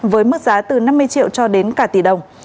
với mức giá từ năm mươi triệu cho đến cả tỷ đồng